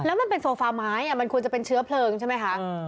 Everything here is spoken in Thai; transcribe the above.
แล้วมันเป็นโซฟาไม้มันควรจะเป็นเชื้อเพลิงใช่ไหมคะ